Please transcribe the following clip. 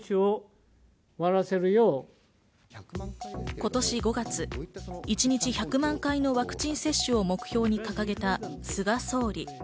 今年５月、一日１００万回のワクチン接種を目標に掲げた菅総理。